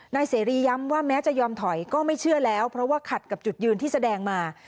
นายเสรีย้ำว่าแม้จะยอมถอยก็ไม่เชื่อแล้วเพราะว่าขัดกับจุดยืนที่แสดงมา